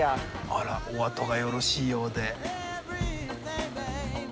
あらお後がよろしいようで。